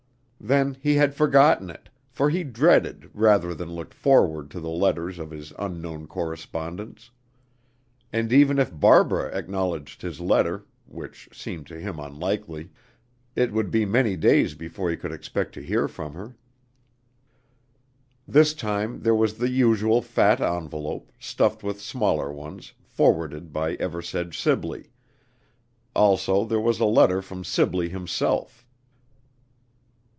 Then he had forgotten it, for he dreaded rather than looked forward to the letters of his unknown correspondents; and even if Barbara acknowledged his answer (which seemed to him unlikely) it would be many days before he could expect to hear from her. This time there was the usual fat envelope, stuffed with smaller ones, forwarded by Eversedge Sibley; also there was a letter from Sibley himself.